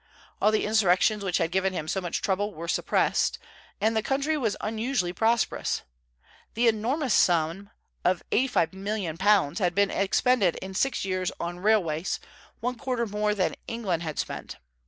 All the insurrections which had given him so much trouble were suppressed, and the country was unusually prosperous. The enormous sum of £85,000,000 had been expended in six years on railways, one quarter more than England had spent.